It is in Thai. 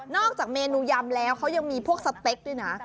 จากเมนูยำแล้วเขายังมีพวกสเต็กด้วยนะ